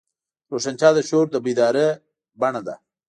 روښانتیا د شعور د بیدارۍ بڼه ده.